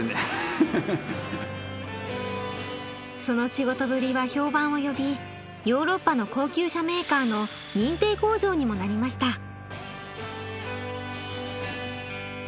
その仕事ぶりは評判を呼びヨーロッパの高級車メーカーの認定工場にもなりました。